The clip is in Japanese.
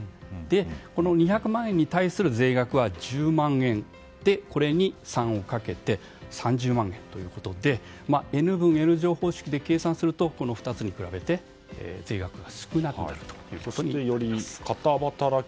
この２００万円に対する税額は１０万円でこれに３をかけて３０万円ということでＮ分Ｎ乗方式で計算するとこの２つに比べて税額が少なくなるということになります。